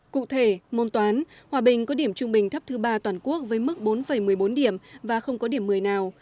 cụ thể môn toán hòa bình có điểm trung bình thấp thứ ba toàn quốc với mức bốn một mươi bốn điểm và không có điểm một mươi nào